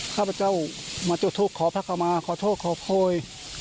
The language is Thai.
ข้าพระเจ้ามาจุดถูกขอพักกับมาขอโทษขอโพย